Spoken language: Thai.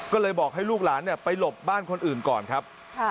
ก็เลยบอกให้ลูกหลานไปหลบบ้านคนอื่นก่อนครับ